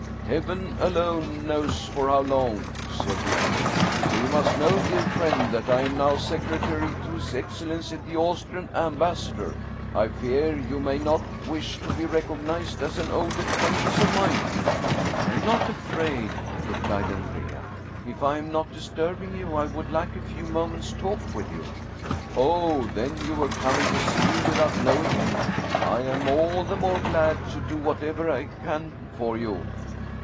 " Heaven alone knows for how long," said the other. " For you must know, dear friend, that I am now secretary to his excellency, the Austrian ambassador. I fear you may not wish to be recognized as an old acquaintance of mine? "" I am not afraid," replied Andrea. " If I am not dis turbing you, I would like a few moments' talk with you." " Oh, then, you were coming to see me without knowing me? I am all the more glad to do whatever I can for you."